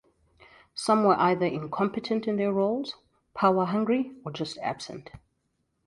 Some were either incompetent in their roles, power-hungry or just absent.